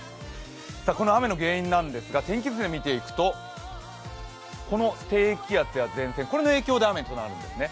この雨の原因なんですが、天気図で見ていくと、この低気圧や前線、これの影響で雨になるんですね。